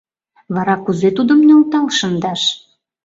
Вара кузе Тудым нӧлтал шындаш?